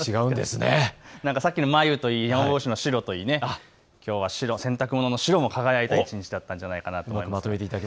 さっきの繭といい、ヤマボウシの白といい、きょうは洗濯物の白も輝いた一日だったのではないかと思います。